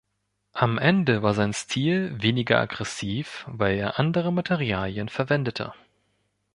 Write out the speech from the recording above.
Am Ende war sein Stil weniger aggressiv, weil er andere Materialien verwendete.